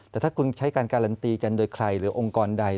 แต่ถ้าคุณใช้การการันตีกันโดยใครหรือองค์กรใด